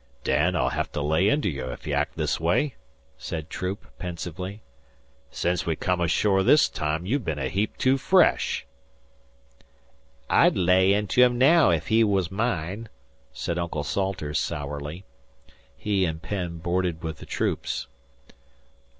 "Dan, I'll hev to lay inter you ef you act this way," said Troop, pensively. "Sence we've come ashore this time you've bin a heap too fresh." "I'd lay into him naow ef he was mine," said Uncle Salters, sourly. He and Penn boarded with the Troops.